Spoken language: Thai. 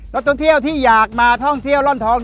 ท่องเที่ยวที่อยากมาท่องเที่ยวร่อนท้อง